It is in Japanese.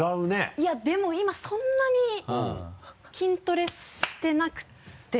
いやでも今そんなに筋トレしてなくて。